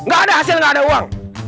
gak ada hasil nggak ada uang